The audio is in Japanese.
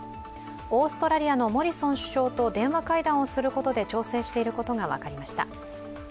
オーストラリアのモリソン首相と電話会談することで調整していることが分かりました。